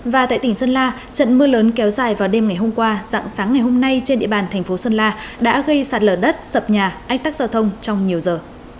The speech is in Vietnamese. và tại tỉnh sơn la trận mưa lớn kéo dài vào đêm ngày hôm qua dạng sáng ngày hôm nay trên địa bàn thành phố sơn la đã gây sạt lở đất sập nhà ách tắc giao thông trong nhiều giờ